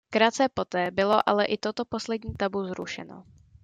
Krátce poté bylo ale i toto poslední tabu zrušeno.